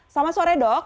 selamat sore dok